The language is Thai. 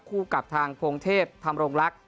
คู่กับทางโพงเทพฯทำโรงลักษณ์